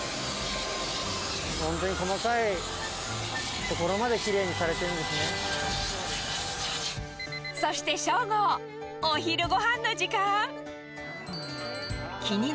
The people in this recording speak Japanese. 本当に細かい所まできれいにそして正午、お昼ごはんの時間。